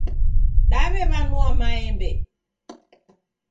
Daw'ew'anua maembe.